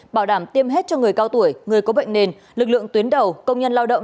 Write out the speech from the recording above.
bảo đảm tiêm hết cho người cao tuổi người có bệnh nền lực lượng tuyến đầu công nhân lao động